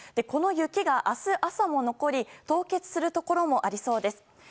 この雪が明日朝も残り凍結するところもありそうです。